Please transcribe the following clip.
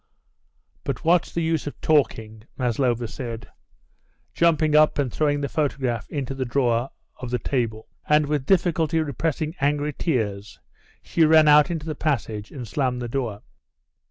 But what's the use of talking?" Maslova said, jumping up and throwing the photograph into the drawer of the table. And with difficulty repressing angry tears, she ran out into the passage and slammed the door.